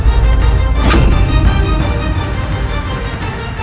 saja pun jangan dalam pengalaman publik